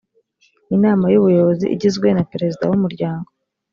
inama y ubuyobozi igizwe na perezida w umuryango